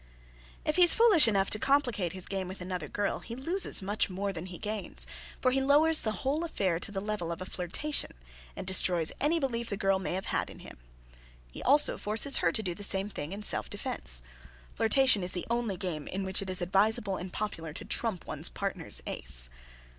_) If he is foolish enough to complicate his game with another girl, he loses much more than he gains, for he lowers the whole affair to the level of a flirtation, and destroys any belief the girl may have had in him. He also forces her to do the same thing, in self defence. Flirtation is the only game in which it is advisable and popular to trump one's partner's ace.